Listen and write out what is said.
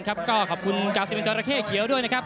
ก็ขอบคุณกาวซิเมนจราเข้เขียวด้วยนะครับ